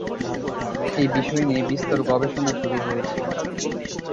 এই বিষয় নিয়ে বিস্তর গবেষণা শুরু হয়েছে।